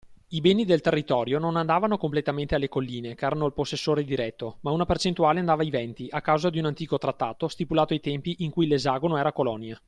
I beni del territorio non andavano completamente alle colline, che erano il possessore diretto, ma una percentuale andava ai venti, a causa di un antico trattato, stipulato ai tempi in cui l’esagono era colonia.